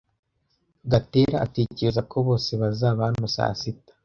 Gatera atekereza ko bose bazaba hano saa sita.